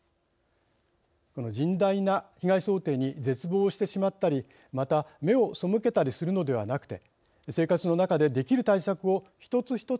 甚大な被害想定に絶望してしまったりまた目を背けたりするのではなくて生活の中でできる対策をひとつひとつ